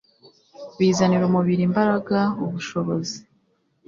Bizanira umubiri imbaraga ubushobozi